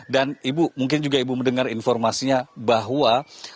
dan ibu mungkin juga ibu mendengar informasinya bahwa